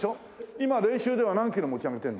今練習では何キロ持ち上げてるの？